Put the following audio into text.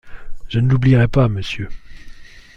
Je ne l’oublierai pas, monsieur.